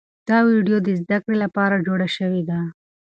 دا ویډیو د زده کړې لپاره جوړه شوې ده.